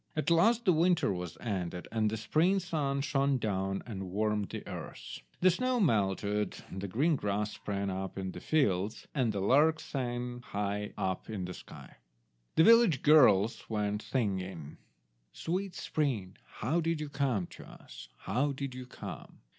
At last the winter was ended, and the spring sun shone down and warmed the earth. The snow melted, the green grass sprang up in the fields, and the lark sang high up in the sky. The village girls went singing— "Sweet spring, how did you come to us? How did you come?